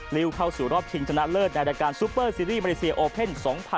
ริวเข้าสู่รอบชิงชนะเลิศในรายการซูเปอร์ซีรีส์มาเลเซียโอเพ่น๒๐๑๖